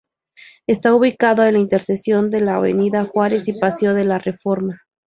Está ubicado en la intersección de las avenidas Juárez y Paseo de la Reforma.